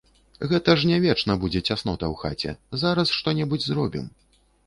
Гэта ж не вечна будзе цяснота ў хаце, зараз што-небудзь зробім.